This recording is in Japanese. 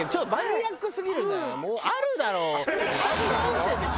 あるだろ！